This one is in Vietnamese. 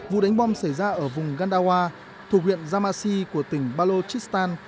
vụ đánh bom xảy ra ở vùng gandawa thủ quyện jamasi của tỉnh balochistan